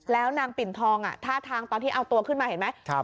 แล้วนางปิ่นทองท่าทางตอนที่เอาตัวขึ้นมาเห็นไหม